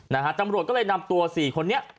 จำรวจก็เลยนำตัว๔คน